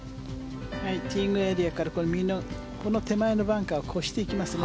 ティーイングエリアからこの手前のバンカーを越していきますね。